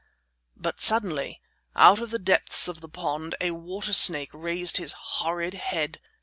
But suddenly, out of the depths of the pond, a water snake raised his horrid head.